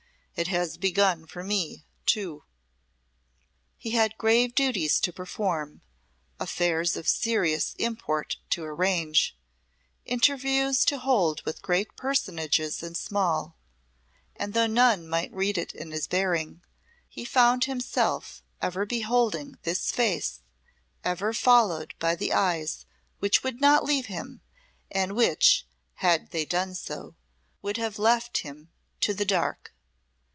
It has begun for me, too." He had grave duties to perform, affairs of serious import to arrange, interviews to hold with great personages and small, and though none might read it in his bearing he found himself ever beholding this face, ever followed by the eyes which would not leave him and which, had they done so, would have left him to the dark.